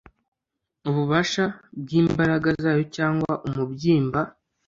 ububasha bw imbaraga zayo cyangwa umubyimba